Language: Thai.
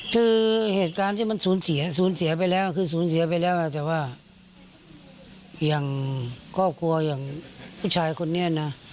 คือเหตุการณ์สูญเสียแต่ว่าอย่างครอบครัวผู้ชายคนนี้นะ